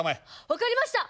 分かりました！